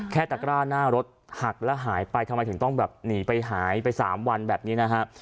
ตะกร้าหน้ารถหักแล้วหายไปทำไมถึงต้องแบบหนีไปหายไป๓วันแบบนี้นะฮะ